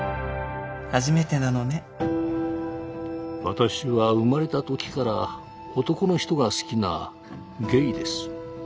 私は生まれた時から男の人が好きなゲイです。